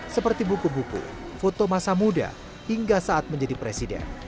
seperti buku buku foto masa muda hingga saat menjadi presiden